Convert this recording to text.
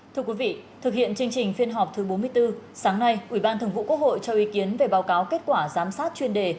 thưa quý vị thực hiện chương trình phiên họp thứ bốn mươi bốn sáng nay ủy ban thường vụ quốc hội cho ý kiến về báo cáo kết quả giám sát chuyên đề